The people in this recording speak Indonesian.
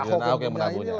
iya ahok yang menabuhnya